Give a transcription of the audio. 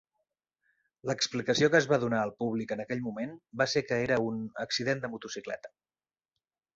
L'explicació que es va donar al públic en aquell moment va ser que era un "accident de motocicleta".